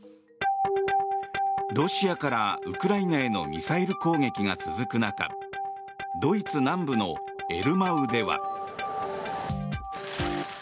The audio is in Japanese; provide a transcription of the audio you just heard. ロシアからウクライナへのミサイル攻撃が続く中ドイツ南部のエルマウでは。